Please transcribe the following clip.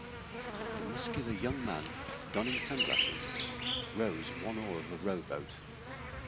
A muscular young man, donning sunglasses, rows one oar of a rowboat.